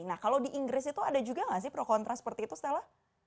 nah kalau di inggris itu ada juga nggak sih pro kontra seperti itu stella